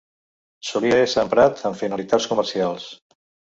Solia ésser emprat amb finalitats comercials.